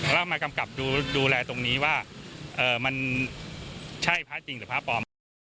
แล้วมากำกับดูแลตรงนี้ว่ามันใช่พระจริงหรือพระปลอมไหม